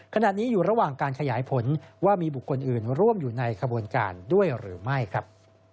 ขณะนี้อยู่ระหว่างการขยายผลว่ามีบุคคลอื่นร่วมอยู่ในขบวนการด้วยหรือไม่ครับ